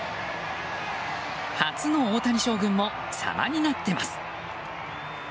初の大谷将軍も様になっています。